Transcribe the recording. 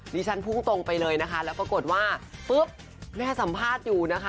ฉันพุ่งตรงไปเลยนะคะแล้วปรากฏว่าปุ๊บแม่สัมภาษณ์อยู่นะคะ